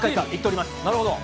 なるほど。